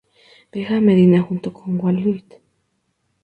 Viajo a Medina junto con Waleed.